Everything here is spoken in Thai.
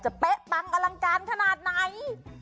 เป๊ะปังอลังการขนาดไหน